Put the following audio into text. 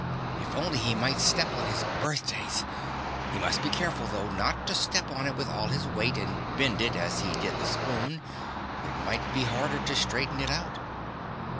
If only he might step on his birthdays! He must be careful though not to step on it with all his weight and bend it as he did the spoon it might be harder to straighten it out.